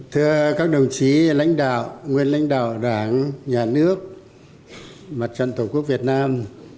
thưa các đồng chí lãnh đạo nguyên lãnh đạo đảng nhà nước mặt trận tổ quốc việt nam